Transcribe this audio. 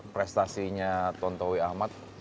prestasinya tontowi ahmad seberapa panjang